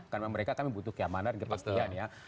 karena mereka butuh keamanan kepastian ya